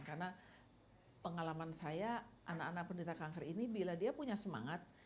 karena pengalaman saya anak anak penderita kanker ini bila dia punya semangat